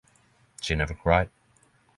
She never cried.